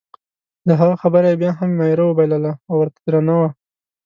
د هغه خبره یې بیا هم میره وبلله او ورته درنه وه.